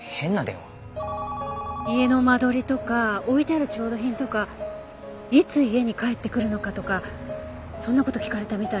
家の間取りとか置いてある調度品とかいつ家に帰ってくるのかとかそんな事聞かれたみたいで。